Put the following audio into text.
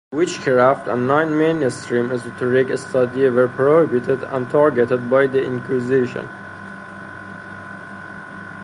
Witchcraft and non-mainstream esoteric study were prohibited and targeted by the Inquisition.